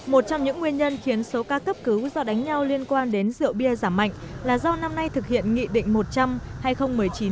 một trong những nguyên nhân khiến số ca cấp cứu do đánh nhau liên quan đến rượu bia giảm mạnh là do năm nay thực hiện nghị định một trăm linh